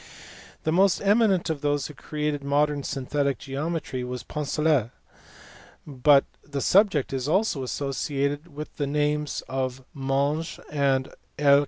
The most eminent of those who created modern synthetic geometry was Poncelet, but the subject is also associated with the names of Monge and L.